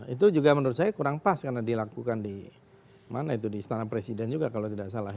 itu juga menurut saya kurang pas karena dilakukan di mana itu di istana presiden juga kalau tidak salah